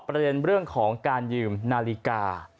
ประเด็นเรื่องของการยืมนาฬิกา